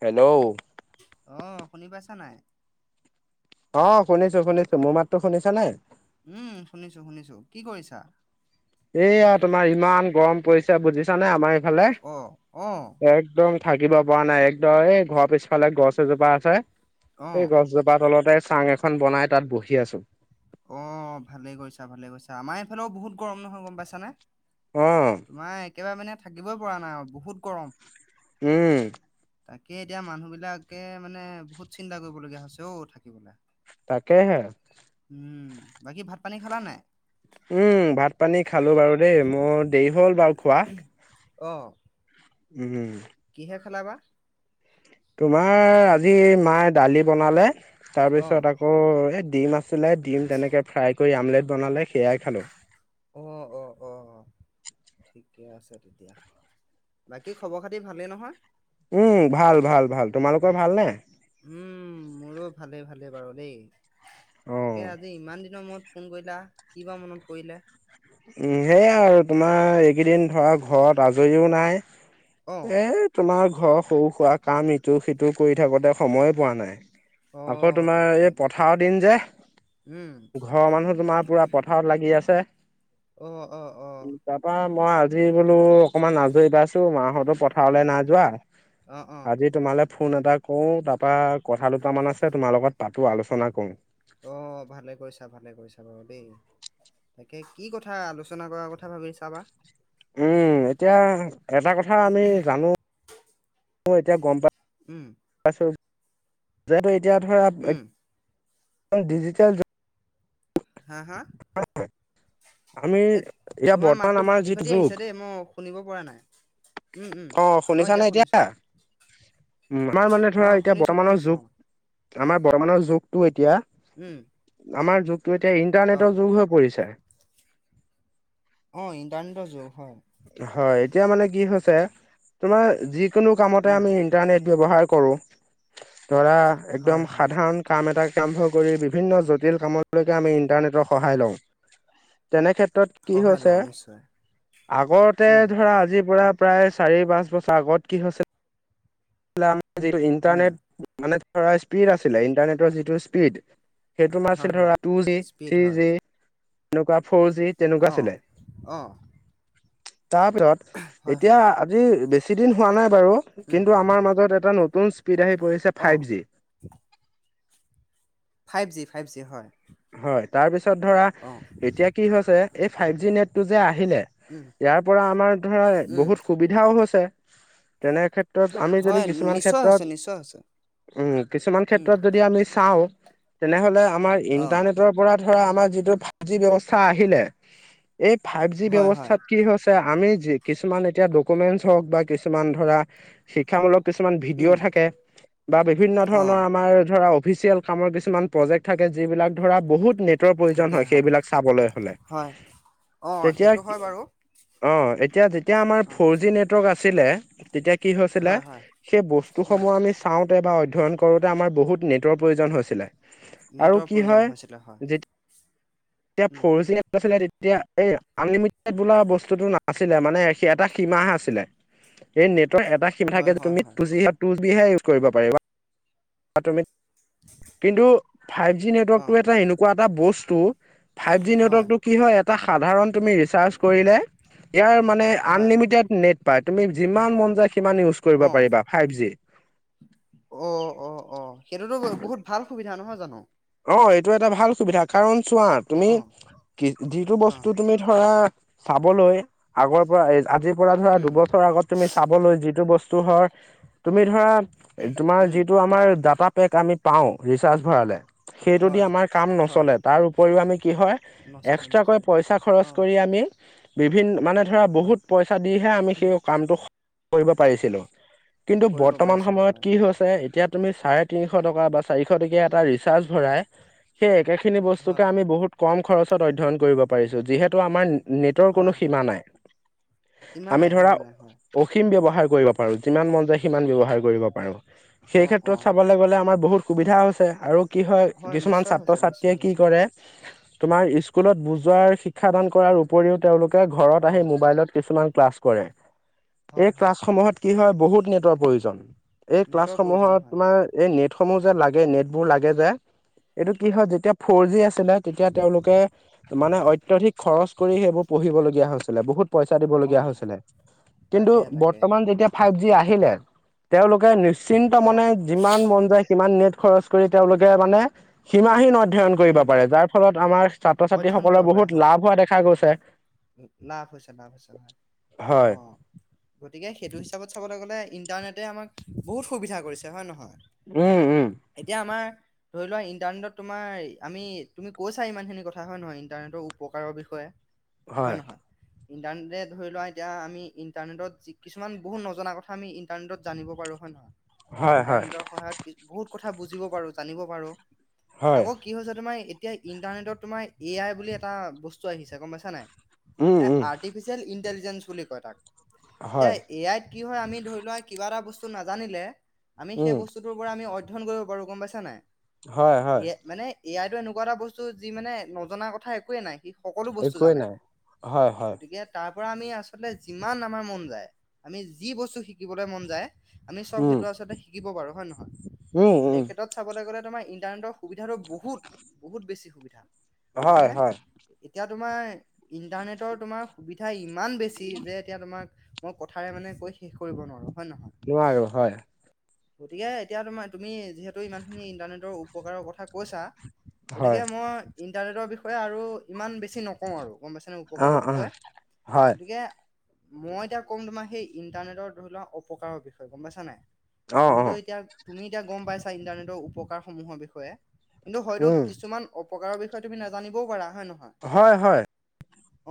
Hello অ শুনি পাইছা নাই অ শুনিছো শুনিছো মোৰ মাততো শুনিছা নে উম শুনিছো শুনিছো কি কৰিছা এইয়া তোমাৰ ইমান গৰম পৰিছে বুজিছ নে আমাৰ ইফালে অহ অহ একদম থাকিব পৰা নাই একদৰে ঘৰৰ পিছত ফালে গছ এজোপা আছে অহ সেই গছজোপাৰ তলতে চাং এখন বনাই তাত বহি আছো অঁ ভালেই কৰিৈছা ভালে গৈছা আমাৰ এইফালেও বহুত গৰম নহয় গম পাইছানে উঁম তোমাৰ একেবাৰে মানে থাকিবই পৰা নাই আৰু বহুত গৰম উম তাকে এতিয়া মানুহ বিলাকে মানে বহুত চিন্তা কৰিবলগীয়া হৈছে অঔ থাকিবলৈ তাকেহে বাকী ভাত পানী খালা নাই উম ভাত পানী খালো বাৰু দেই মোৰ দেৰি হ'ল বাৰু খোৱা আহ উম কিহে খেলাবা তোমাৰ আজি মায়ে দালি বনালে অহ তাৰপিছত আকৌ এই ডি মাছ চিলাই দিম তেনেকৈ ফ্ৰাই কৰি আমলেট বনালে সেয়াই খালোঁ আহ অ অ ঠিকে আছে তেতিয়া বাকী খবৰ খাতি ভালেই নহয় উম ভাল ভাল ভাল তোমালোকৰ ভাল নে উম মোৰো ভালে ভালে বাৰু দেই অ', উম, তাকে আজি ইমান দিনৰ মূৰত ফোন কৰিলা কি বাা মনত পৰিলে উম সেইয়াাই আৰু তোমাৰ এইকেইদিন ধৰা ঘৰত আজৰিও নাই অ এ তোমাৰ ঘৰ সৰু সোৱা কাম ইটো সিটো কৰি থাকোতে সময় পোৱা নাই অ আকৌ তোমাৰ তাকে এই তাকে পথাঅ দিন যে উম ঘৰৰ মানুহ তোমাৰ পুৰা পথাৰত লাগি আছে অ, অ, অ তাৰ পৰা মই আজি বোলো অকমান আজৰি পাইছো মাহতো পথাৰলৈ নাই যোৱা অ অ আজি তোমালে ফোন এটা কৰোঁ তাৰপা কথা দুটামান আছে তোমাৰ লগত পাতো আলোচনা কৰোঁ অ ভালে কৰিছা ভালে কৰিছা বাৰু দেই তাকে কি কথা আলোচনা কৰাৰ কথা ভাবি চাবা উম এতিয়া এটা কথা আমি জানো [unintelligible] উম [unintelligible] এতিয়া ধৰা উম [unintelligible] হা, হা আমি এই এতিয়া তোমাৰ বৰ্তমান মাতটো আমাৰ ফাটি যিটো ফাটি যুগ আহিছে দেই মোক শুনিব পৰা নাই উম উম অ শুনিছা নে এতিয়া শুনিছো উ আমাৰ মানে অ অ ধৰা এতিয়া শুনিছো বৰ্তমানৰ শুনিছো যুগ আমাৰ বৰ্তমানৰ যুগটো এতিয়া উম আমাৰ যুগটো এতিয়া অ ইন্টাৰনেটৰ যুগ হৈ পৰিছে অ ইন্টাৰনেটৰ যুগ হয় হয় এতিয়া মানে কি হৈছে তোমাৰ যিকোনো কামতে উম আমি ইটাৰনেট ব্যৱহাৰ কৰো, ধৰা হয় একদম হয় সাধাৰণ কাম এটা [unintelligible] কৰি বিভিন্ন জটিল কামলৈকে আমি ইণ্টাৰনেটৰ সহায় লওঁ তেনেক্ষেত্ৰত কি সহায় লওঁ হৈছে নিশ্চয় আগতে উম ধৰা, আজিৰ পৰা প্ৰায় চাৰি পাঁচ বছৰ আগত কি হৈছে [unintelligible] উম ইণ্টাৰনেট মানে ধৰা স্পীড আছিলে ইন্টাৰনেটৰ যিটো স্পীড সেই তোমাৰ হয় আছিল হয় ধৰা টু জি, স্পীড থ্ৰী হয় জি, এনেকুৱা ফৰ জি তেনেকুৱা অঁ আছিলে অঁ [unintelligible] হয় এতিয়া হয় আজি বেছি দিন হোৱা নাই বাৰু উম কিন্তু আমাৰ মাজত এটা নতুন স্পীড আহি পৰিছে ফাইভ অঁ G five G, five G, হয় হয়, তাৰপিছত ধৰা অঁ এতিয়া কি হৈছে এই ফাইভ জি নেটটো যে আহিলে উম ইয়াৰ পৰা আমাৰ ধৰা উম বহুত সুবিধাও হৈছে, তেনে [unintelligible] [unintelligible] আমি যদি হয় কিছুমান নিশ্চয় হৈছে ক্ষেত্ৰত, নিশ্চয় হৈছে উম, কিছুমান উম ক্ষেত্ৰত যদি আমি চাওঁ তেনেহলে আমাৰ অঁ ইন্টাৰনেটৰ পৰা ধৰা আমাৰ যিটো ফাইভ জি ব্যৱস্থা আহিলে এই ফাইভ জি হয় হয় ব্যৱস্থাত কি হৈছে আমি যি কিছুমান এতিয়া ডকুমেন্টছ হওক বা কিছুমান ধৰা শিক্ষামূলক কিছুমান উম ভিডিঅ' থাকে বা বিভিন্ন অঁ ধৰণৰ আমাৰ ধৰা অফিচিয়েল কামৰ কিছুমান প্ৰজেক্ট থাকে, যিবিলাক ধৰা বহুত নেটৰ প্ৰয়োজন হয় সেইবিলাক চাবলৈ হ'লে হয় অঁ তেতিয়া সেইটো হয় বাৰু [unintelligible] অ এতিয়া যেতিয়া আমাৰ অঁ ফৰ জি নেট [unintelligible] আছিলে তেতিয়া কি হৈছিলে হয় হয় সেই উম বস্তুসমূহ আমি চাওঁতে, বা অধ্যয়ন কৰোঁতে আমাৰ বহুত নেটৰ প্ৰয়োজন হৈছিলে আৰু নেটৰ কি প্ৰয়োজন হৈছিল [unintelligible] তেতিয়া এই, আনলিমিটেড বোলা বস্তুটো নাছিলে মানে সি এটা সীমাহে আছিলে হয় হয় হয় [unintelligible] টু বিহে ইউজ কৰিব পাৰিবা, [unintelligible] কিন্তু ফাইভ জি নেটৱৰ্ক অঁ [unintelligible] এনেকুৱা এটা বস্তু ফাইভ জি হয় নেটৱৰ্কতো কি হয় এটা সাধাৰণ তুমি [unintelligible] চাৰ্চ কৰিলে ইয়াৰ মানে হয় আনলিমিটেড নেট পায়, তুমি যিমান মন যায়, সিমান ইউজ কৰিব পাৰিবা ফাইভ জি অ, অ, অ সেইটোতো বহুত ভাল সুবিধা নহয় জানো অ', এইটো এটা ভাল সুবিধা কাৰণ চোৱা তুমি অঁ কি যিটো অঁ বস্তু তুমি ধৰা, চাবলৈ আগৰ পৰা আজিৰ পৰা ধৰা উম দুবছৰ আগত তুমি চাবলৈ যিটো বস্তু হয় তুমি ধৰা তোমাৰ উম যিটো আমাৰ দ পেক আমি পাওঁ, ৰিচাৰ্জ ভৰালে সেইটোদি হয়, আমাৰ কাম হয়, নচলে তাৰ উপৰিও আমি কি হয়, নচলে এক্সট্ৰাকৈ নচলে। পইচা খৰচ অঁ, কৰি আমি বিভিিন মানে ধৰা, হয়, বহুত পইচা দিহে আমি সেই কামটো কৰিব পাৰিছিলো কিন্তু কৰিব বৰ্তমান পাৰিছিলোঁ সময়ত হয়, কি হৈছে এতিয়া তুমি চাৰে তিনিশ টকা বা চাৰিশ টকীয়া এটা চাৰছ ভৰাই সেই একে খিনি হয়, বস্তুকে আমি বহুত কম খৰচত অধ্যয়ন কৰিব পাৰিছো যিহেতু আমাৰ নেটৰ হয়, কোনো হয়। সীমা নাই সীমা আমি নাই, ধৰা সীমা নাই, হয়, অসীম ব্য্ৱহাৰ কৰিব পাৰো, যিমান মন যায় সিমান অঁ, ব্য্ৱহাৰ কৰিব পাৰো সেই অঁ, ক্ষেত্ৰত অঁ, চাবলৈ গ'লে আমাৰ বহুত সুবিধা হৈছে, আৰু কি হয় কিছুমান নিশ্চয় ছাত্ৰ হৈছে, নিশ্চয় ছাত্ৰীয়ে কি হৈছে। কৰে তোমাৰ স্কুলত বুজোৱাৰ শিক্ষাদান কৰাৰ উপৰিও, তেওঁলোকে ঘৰত আহি অঁ, মোবাইলত কিছুমান ক্লাছ কৰে এই হয়, হয়, ক্লাছসমূহত কি হয় বহুত নেটৱ প্ৰয়োজন এই নেটৰ প্ৰয়োজন ক্লাছসমূহত, হয়, তোমাৰ এই নেট সমূহ যে লাগে নেটবোৰ লাগে যে এইটো কি হয় যেতিয়া ফৰ জি আছিলে তেতিয়া তেওঁলোকে মানে অত্যধিক খৰচ কৰি সেইবোৰ পঢ়িবলগীয়া হৈছিলে বহুত পইচা দিবলগীয়া অঁ। হৈছিলে কিন্তু তাকে, তাকে, বৰ্তমান যেতিয়া ফাইভ জি আহিলে তেওঁলোকে নিশ্চিন্ত মান অঁ, যিমান মন যায় সিমান নেট খৰচ কৰি তেওঁলোকে মানে সীমাহীন অধ্যয়ন কৰিব উম, পাৰে যাৰ ফলত আমাৰ ছাত্ৰ অধ্যয়ন ছাত্ৰীসকলৰ কৰিব পাৰে বহুত হয়। লাভ হোৱা দেখা গৈছে লাভ হৈছে, লাভ হৈছে, নয় হয় অ' গতিকে, সেইটো হিচাপত চাবলৈ গ'লে ইন্টাৰনেটে আমাক বহুত সুবিধা কৰিছে হয়, নহয়। উম, উম। এতিয়া আমাৰ। ধৰি লোৱা ইণ্টাৰনেটত তোমাৰ আমি তুমি কৈছা ইমানখিনি কথা হয় নহয় ইণ্টাৰনেটৰ উপকাৰৰ বিষয়ে। হয়, নহয়, ইণ্টাৰনেটে ধৰি লোৱা, এতিয়া আমি ইণ্টাৰনেটত যি কিছুমান বহুত নজনা কথা আমি ই ইন্টাৰনেটত জানিব পাৰো হয়নে নহয়। হয় হয় ইণ্টাৰনেটৰ সহায়ত বহুত কথা বুজিব পাৰো জানিব পাৰো হয় আকৌ। কি হৈছে তোমাৰ এতিয়া ইণ্টাৰনেটত তোমাৰ এ আই বুলি এটা বস্তু আহিছে, গ'ম পাইছানে নাই। উম এ উম আৰ্টিফিচিয়েল ইণ্টেলিজেঞ্চ বুলি কয় তাক যে হয় এ আই কি হয় আমি ধৰি লোৱা কিবা এটা বস্তু নাজানিলে, আমি সেই উম বস্তুটো পৰা আমি অধ্যয়ন কৰিব পাৰোঁ। গ'ম পাইছানে নাই হয় হয় মানে এ আই টো এনেকুৱা এটা বস্তু যি মানে নজননা কথা একোৱেই নাই কি। একোৱেই নাই হয়, হয়। গতিকে, তাৰ পৰাৰা আমি আচলতে যিমান আমাৰ মন যায়, আমি যি বস্তু শিকিবলৈ মন যায়। আমি চ'ব উম সেইটো আচলতে শিকিব পাৰো হয়নে নহয়, উম উম সেই ক্ষেত্ৰত চাবলৈ গ'লে তোমাৰ ইণ্টাৰনেটৰ সুবিধাটো বহুত বহুত বেছি সুবিধা গ'ম হয় পাইছানে। হয় এতিয়া তোমাৰ ইণ্টাৰনেটৰ তোমাৰ সুবিধা ইমান বেছি যে এতিয়া তোমাক। মই কথাৰে মানে কৈ শেষ কৰিব নোৱাৰো হয়নে নহয়। নোৱাৰো হয়। গতিকে, এতিয়া তোমাৰ তুমি যিহেতু ইমানখিনি ইণ্টাৰনেটৰ উপকাৰৰ কথা কৈছা। হয় গতিকে, মই ইণ্টাৰনেটৰ বিষয়ে আৰু ইমান বেছি নকওঁ আৰু। গ'ম পাইছানে উপকাৰৰ অ' বিষয়ে। অ' হয় গতিকে, মই এতিয়া ক'ম তোমাৰ সেই ইন্টাৰনেটৰ ধৰি লোৱা অপকাৰৰ বিষয়ে গ'ম পাইছানে নাই। অ' তুমিতো অ' এতিয়া তুমি এতিয়া গ'ম পাইছা ইন্টাৰনেটৰ উপকাৰসমূহৰ বিষয়ে। কিন্তু হয়তো উম কিছুমান অপকাৰৰ বিষয়ে তুমি নাজানিবও পাৰা হয় নে নহয়। হয়, হয়।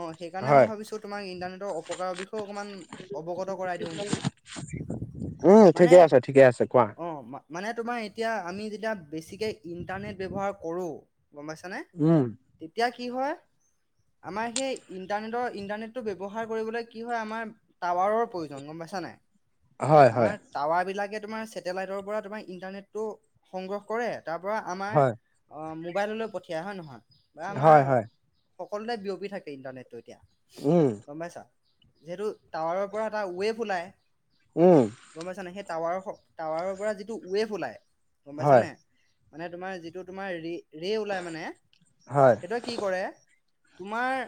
অ' সেইকাৰণে মই হয় ভাবিছোঁ তোমাক ইটাৰনেটৰ অপকাৰৰ বিষয়ে অকণমান অৱগত কৰাই দিওঁ বুলি। উম, মানে ঠিকে আছে, ঠিকে আছে কোৱা। অ মানে তোমাৰ এতিয়া আমি যেতিয়া বেছিকে ইণ্টাৰনেট ব্যৱহাৰ কৰোঁ। গ'ম পাইছানে? উম। তেতিয়া কি হয়। আমাৰ সেই ইণ্টাৰনেটৰ ইণ্টাৰনেটটো ব্যৱহাৰ কৰিবলৈ কি হয় আমাৰ। টাৱাৰৰ প্ৰয়োজন গ'ম পাইছানে নাই। হয় হয় আমাৰ টাৱাৰ বিলাকে তোমাৰ চেটেলাইটৰ পৰা তোমাৰ ইন্টাৰনেটটো সংগ্ৰহ কৰে। তাৰপৰা আমাৰ হয় মোবাইললৈ পঠিয়াই হয় নে নহয় বা হয় আমাৰ হয় সকলোতে। বিয়পি থাকে ইণ্টাৰনেটটো এতিয়া উম গ'ম পাইছা। যিহেতু টাৱাৰৰ পৰা এটা ৱেভ ওলায়। উম। গ'ম পাইছানে। সেই টাৱাৰৰ টাৱাৰৰ পৰা যিটো ৱেভ ওলাই গ'ম হয় পাইছানে? মানে তোমাৰ যিটো তোমাৰ ৰে ওলাই মানে, হয় সেইটোৱে কি কৰে। তোমাৰ,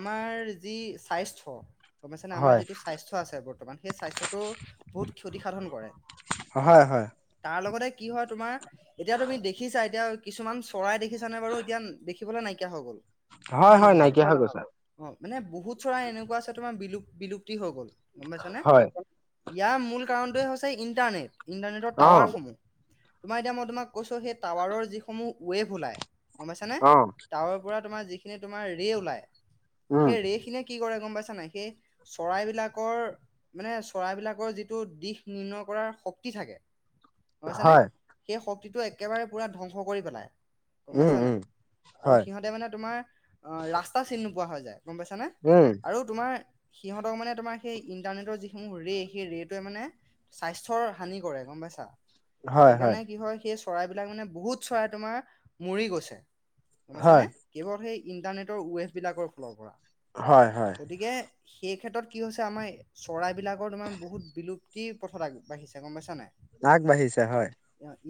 আমাৰ যি স্বাস্থ্য। গ'ম পাইছানে, আমাৰ হয় যিটো স্বাস্থ্য আছে বৰ্তমান সেই স্বাস্থটো বহুত ক্ষতি সাধন কৰে। হয়, হয়। তাৰ লগতে কি হয়, তোমাৰ এতিয়া তুমি দেখিছা এতিয়া কিছুমান চৰাই দেখি দেখি ছানে বাৰু, এতিয়া দেখিবলৈ নাইকিয়া হৈ গ'ল। হয় নহয় বাৰু, নাইকিয়া হৈ গৈছে অ' মানে বহুত চৰাই এনেকুৱা আছে, তোমাৰ বিলুপ বিলুপ্তি হৈ গ'ল। গ'ম পাইছনে? হয় ইয়াৰ মূল কাৰণটোৱেই হৈছে ইণ্টাৰনেট। ইণ্টাৰনেটৰ অ' টাৱাৰসমূহ, তোমাৰ এতিয়া মই তোমাক কৈছোঁ। সেই টাৱাৰৰ যি সমূহ ৱেভ ওলায়। গম পাইছানে? অ' টাৱাৰৰ পৰা তোমাৰ যিখিনি তোমাৰ ৰে ওলাই উম সেই ৰে খিনি কি কৰে গম পাইছানে নাই, সেই চৰাই বিলাকৰ মানে, চৰাইবলাকৰ যিটো দিশ নিৰ্ণয় কৰাৰ শক্তি থাকে। হৈছে নে, হয় সেই শক্তিটো একেবাৰে পুৰা ধ্বংস কৰি পেলায়। উম, উম, হয়। সিহঁতে মানে তোমাৰ অ, ৰাস্তা চিনি নোপোৱা হৈ যায় গম পাইছানে? উম, আৰু তোমাৰ সিহঁতক মানে, তোমাৰ সেই ইণ্টাৰনেটৰ যিসমূহ ৰে' সেই ৰে'টোৱে মানে স্বাস্থ্যৰ হানি কৰে গম পাইছা। সেইকাৰণে কি হ'য়, সেই চৰাইবিলাক মানে বহুত চৰাই তোমাৰ মৰি গৈছে। গম পাইছানে। হয় কেৱল সেই ইণ্টাৰনেটৰ ৱেভবিলাকৰ ফালৰ পৰা হয় হয় গতিকে সেই ক্ষেত্ৰত কি হৈছে আমাৰ চৰাইবলাকৰ তোমাৰ বহুত বিলুপ্তি পথত আগ বাঢ়িছে গম পাইছাঁ নে নাই। আগ বাঢ়িছে হয়।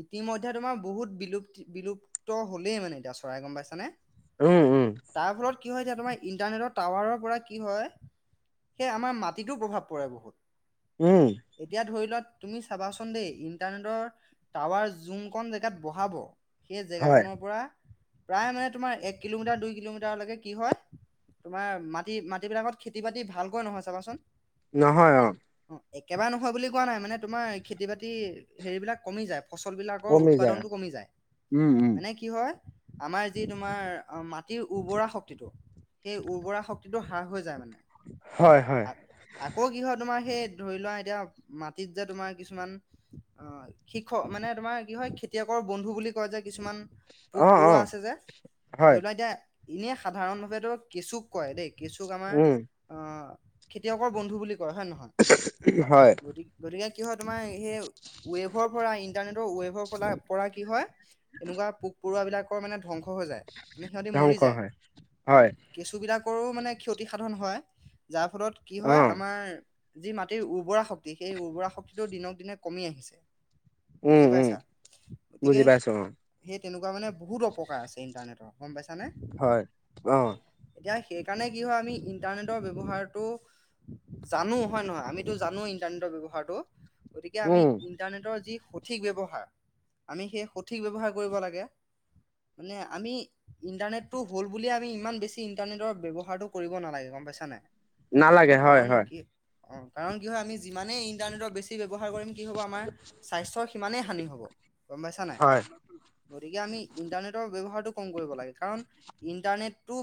ইতিমধ্যে তোমাৰ বহুত বিলুপ্তি বিলুপ্ত হ'লেই মানে এতিয়া চৰাই গম পাইছানে। উম উম তাৰ ফলত কি হ'য়, এতিয়া তোমাৰ ইন্টাৰনেটৰ টাৱাৰৰ পৰা কি হয়। সেই আমাৰ মাটিতো প্ৰভাৱ পৰে বহুত। উম, এতিয়া ধৰিলোৱা তুমি চাবাচোন দেই ইণ্টাৰনেটৰ। টাৱাৰ যোন কন জেগাত বহাব সেই জেগা হয় কনৰ পৰা প্ৰায় মানে তোমাৰ এক কিলোমিটাৰ, দুই কিলোমিটাৰলৈকে কি হয়। তোমাৰ মাটি, মাটিবিলাকত খেতি বাতি ভালকৈ নহয় চাবাচোন। নহয়, অ, অ, একেবাৰে নহয় বুলি কোৱা নাই। মানে তোমাৰ খেতি বাতি হেৰি বিলাক কমি যায়। ফচল বিলাকৰ উৎপাদনটো কমি যায়। উম উম মানে কি হয় আমাৰ যি তোমাৰ মাটিৰ উৰ্বৰা শক্তিটো সেই উৰ্বৰা শক্তিটো হ্ৰাস হৈ যায় মানে। হয়, হয়। আ- আকৌ কি হয়, তোমাৰ সেই ধৰি লোৱা এতিয়া মাটিত যে তোমাৰ কিছুমান অ, শিখ মানে তোমাৰ কি হ'য়। খেতিয়কৰ বন্ধু বুলি কয় যে কিছুমান। অ' কপৰুৱা অ' আছে যে হয় ধৰি লোৱা এতিয়া। এনেই সাধাৰণ ভাৱ তো কেঁচুক কয় দেই কেঁচুক আমাৰ। উম, অ, খেতিয়কৰ বন্ধু বুলি কয় হয়ে নহয় হয় গতিকে। গতিকে কি হয় তোমাৰ সেই ৱেভৰ পৰা ইণ্টাৰনেটৰ ৱেভৰ পৰা। পৰা কি হয়, এনেকুৱা পোক পৰুৱা বিলাকৰ মানে ধ্বংস। হৈ যায় মানে সিহঁতি মৰি ধ্বংস যায় হয়, অ, হয় কেঁচুবিলাকৰো মানে ক্ষতিসাধন হয় যাৰ ফলত কি হয় অ', আমাৰ। যি মাটিৰ উৰ্বৰা শক্তি সেই উৰ্বৰা শক্তিটো দিনক দিনে কমি আহিছে। উম, বুজি উম, পাইছা। গতিকে বুজি সে পাইছো অ', সেই তেনেকুৱা মানে বহুত অপকাৰ আছে ইণ্টাৰনেটৰ গম পাইছা নে। হয়। অ, এতিয়া সেইকাৰণে কি হয় আমি ইন্টাৰনেটৰ ব্য্ৱহাৰটো। জানো হয়, নহয় আমিতো জানো ইন্টাৰনেটৰ ব্যৱহাৰটো। গতিকে আমি উম, ইণ্টাৰনেটৰ যি সঠিক ব্যৱহাৰ আমি সেই সঠিক ব্যৱহাৰ কৰিব লাগে। মানে আমি। ইণ্টাৰনেটটো হ'ল ব আমি ইমান বেছি ইন্টাৰনেটৰ ব্ৱহাৰটো কৰিব নালাগে গম পাইছানে নাই। নালাগে হয়, কাৰণ হয়, কি অ, কাৰণ কি হয় আমি যিমানেই ইণ্টাৰনেটৰ বেছি। ব্যৱহাৰ কৰিম কি হ'ব আমাৰ স্বাস্থ্যৰ সিমানেই হানি হ'ব গম পাইছা নাই। হয়, গতিকে আমি ইণ্টাৰনেটৰ ব্যৱহাৰটো কম কৰিব লাগে কাৰণ ইণ্টাৰনেটটো।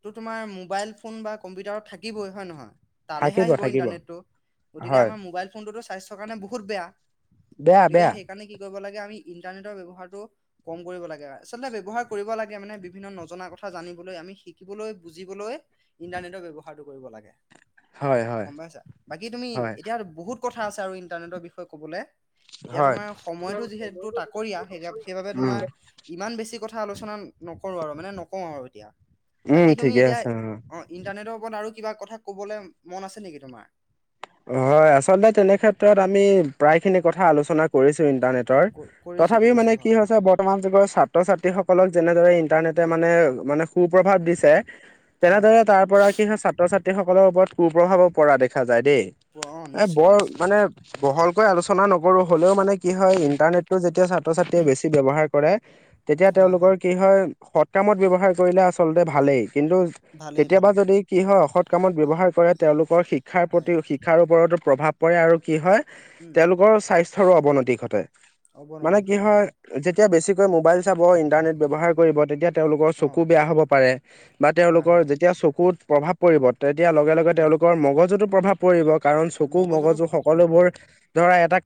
তটো তোমাৰ মোবাইল ফোন বা কম্পিউটাৰত থাকিবই হয় নে নহয়। তালেহে থাকিব, আহিব থাকিব ইণ্টাৰনেটো গতিকে হয়, আমাৰ মোবাইল ফোনটোতো স্বাস্থ্যৰ কাৰণে বহুত বেয়া। বেয়া, বেয়া গতিকে কাৰণে কি কৰিব লাগে আমি ইটাৰনেটৰ ব্যৱহাৰটো কম কৰিব লাগে। আচলতে ব্যৱহাৰ কৰিব লাগে মানে বিভিন্ন নজনা কথা জানিবলৈ আমি শিকিবলৈ বুজিবলৈ ইণ্টাৰনেটৰ ব্যৱহাৰটো কৰিব লাগে। হয়, হয়, গম পাইছা। বাকী তুমি হয়, এতিয়া বহুত কথা আছে আৰু ইণ্টাৰনেটৰ বিষয়ে কবলৈ। এতিয়া হয়, তোমাৰ সময়তটো যিহেতু তাকৰীয়া। সেই সেইবাবে উম, তোমাৰ ইমান বেছি কথা আলোচনা নকৰোঁ আৰু মানে নকওঁ আৰু এতিয়া উম, বাকী তুমি ঠিকে এতিয়া আছে অ'। ইণ্টাৰনেটৰ ওপৰত আৰু কিবা কথা ক'বলৈ মন আছে নেকি তোমাৰ? হয়, আচলতে তেনে ক্ষেত্ৰত আমি প্ৰায়খিনি কথা আলোচনা কৰিছো ইন্টাৰনেট টৰ কৰিছো তথাপিও কৰিছো মানে কি হয় হৈছে বৰ্তমান যুগৰ ছাত্ৰ ছাত্ৰীসকলক যেনেদৰে ইন্টাৰনেটে মানে মানে সু প্ৰভাৱ দিছে। হয় তেনেদৰে হয় তাৰ পৰা কি হয় ছাত্ৰ ছাত্ৰী সকলৰ ওপৰত কুপ্ৰভাৱো পৰা দেখা যায় দেই। অ এ নিশ্চয় বৰ নিশ্চয় মানে বহলকৈ আলোচনা নকৰো হ'লেও মানে কি হয় উম ইণ্টাৰনেটটো যেতিয়া ছাত্ৰ ছাত্ৰীয়ে বেছি ব্যৱহাৰ কৰে তেতিয়া তেওঁলোকৰ কি হয় সৎ কামত ব্যৱহাৰ কৰিলে আচলতে ভালেই। কিন্তু ভালেই কেতিয়াবা ভালেই যদি কি হয় সৎ কামত ব্যৱহাৰ কৰে তেওঁলোকৰ শিক্ষাৰ হয় প্ৰতি শিক্ষাৰ ওপৰতো প্ৰভাৱ পৰে আৰু কি হয় উম তেওঁলোকৰ স্বাস্থ্যৰো অৱনতি ঘটে। মানে অৱনতিৰ কি ঘটে হয় যেতিয়া বেছিকৈ মোবাইল চাব ইণ্টাৰনেট ব্যৱহাৰ কৰিব তেতিয়া তেওঁলোকৰ অ চকু বেয়া হ'ব পাৰে বা হয় তেওঁলোকৰ হয় যেতিয়া চকুত প্ৰভাৱ পৰিব। তেতিয়া লগে লগে উম তেওঁলোকৰ মগজতো প্ৰভাৱ পৰিব। কাৰণ চকু মগজুতো মগজু প্ৰভাৱ পৰিব সকলোবোৰ হয় ধৰা এটা